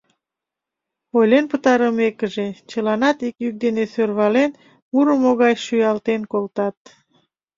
Ойлен пытарымекыже, чыланат ик йӱк дене сӧрвален, мурымо гай шуялтен колтат: